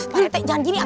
pak rete jangan gini atu